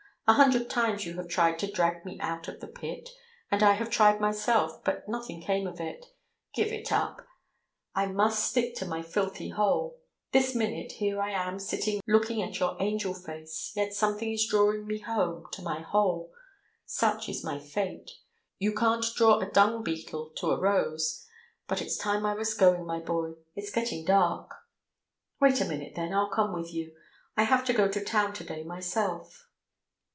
A hundred times you have tried to drag me out of the pit, and I have tried myself, but nothing came of it. Give it up. I must stick in my filthy hole. This minute, here I am sitting, looking at your angel face, yet something is drawing me home to my hole. Such is my fate. You can't draw a dung beetle to a rose. But it's time I was going, my boy. It's getting dark." "Wait a minute then, I'll come with you. I have to go to town to day myself."